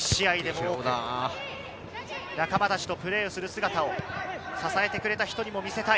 仲間たちとプレーする姿を支えてくれた人にも見せたい。